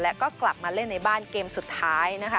แล้วก็กลับมาเล่นในบ้านเกมสุดท้ายนะคะ